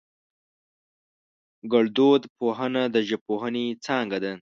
گړدود پوهنه د ژبپوهنې څانگه ده